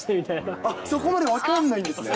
あっ、そこまで分かんないんですね。